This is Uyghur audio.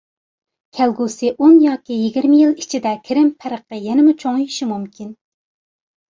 كەلگۈسى ئون ياكى يىگىرمە يىل ئىچىدە، كىرىم پەرقى يەنىمۇ چوڭىيىشى مۇمكىن.